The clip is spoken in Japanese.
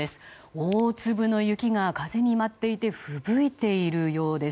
大粒の雪が風に舞っていてふぶいているようです。